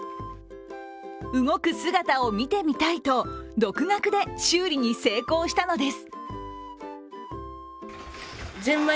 動く姿を見てみたいと独学で修理に成功したのです。